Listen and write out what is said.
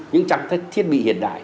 những trang thiết bị hiện đại